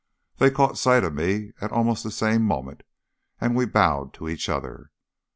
They caught sight of me at almost the same moment, and we bowed to each other.